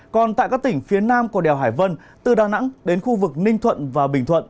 còn tại các tỉnh phía nam của đèo hải vân từ đà nẵng đến khu vực ninh thuận và bình thuận